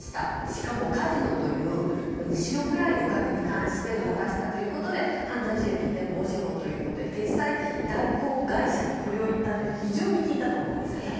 しかもカジノという後ろ暗いお金に関して動かしたということで犯罪収益移転防止法ということで決済代行業者にこれを言ったのは非常に効いたと思うんですね。